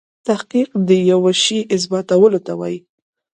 تحقیق دیوه شي اثباتولو ته وايي.